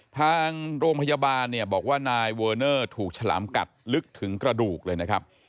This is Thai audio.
ทางโรงพยาบาลเนี่ยบอกว่านายเวอร์เนอร์ถูกฉลามกัดลึกถึงกระดูกเลยนะครับ